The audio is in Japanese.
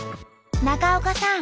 中岡さん